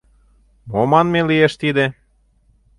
Мо манме лиеш тиде?